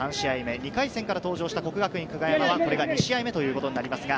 ２回戦から登場した國學院久我山はこれが２試合目ということになります。